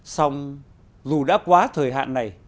xong dù đã quá thời hạn này